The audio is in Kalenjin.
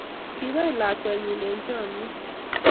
Kopai lakwennyi eng' chamyet